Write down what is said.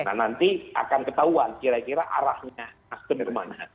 nah nanti akan ketahuan kira kira arahnya nasdem kemana